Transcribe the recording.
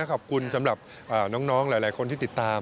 ขอบคุณสำหรับน้องหลายคนที่ติดตาม